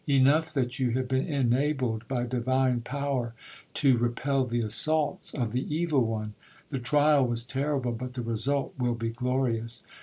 Enough that you have been enabled by Divine Power to repel the assaults of the evil one—the trial was terrible, but the result will be glorious.